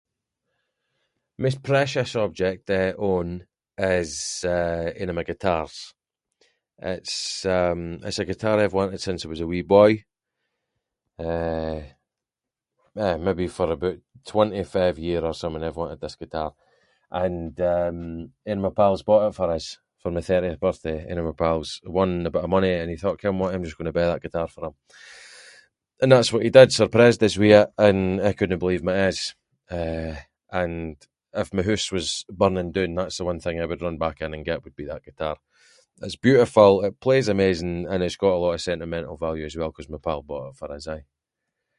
Maist precious object I own, is, eh, ain of my guitars, it’s, um, it’s a guitar I’ve wanted since I was a wee boy, eh, maybe for aboot twenty-five year or something, I’ve wanted this guitar, and eh, ain of my pals bought it for us, for my thirtieth birthday, ain of my pals won a bit of money and he thought ken what I’m just going to buy that guitar for him, and that’s what he did, surprised us with it, and I couldnae believe my eyes, eh, and if my hoose was burning doon, that’s the one thing I would run back in and get would be that guitar. It’s beautiful, it plays amazing, and it’s got a lot of sentimental value as well ‘cause my pal bought it for us, aye.